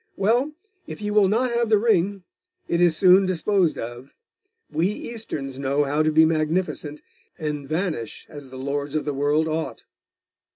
Well, if you will not have the ring, it is soon disposed of. We Easterns know how to be magnificent, and vanish as the lords of the world ought.